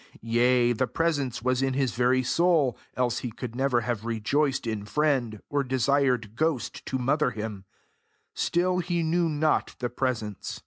Yea, the Presence was in his very soul, else he could never have rejoiced in friend, or desired ghost to mother him: still he knew not the Presence.